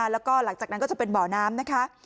แล้วก็หลังจากนั้นก็จะเป็นบ่อน้ำนะคะ